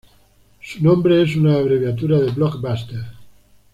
Su nombre, es una abreviatura de BlockBuster.